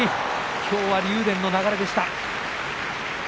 今日は竜電の流れでした。